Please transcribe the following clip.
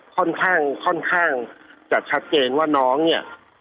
ค่อนข้างค่อนข้างจะชัดเจนว่าน้องเนี่ย